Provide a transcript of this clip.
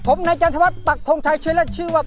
เพลงนี้อยู่ในอาราบัมชุดแรกของคุณแจ็คเลยนะครับ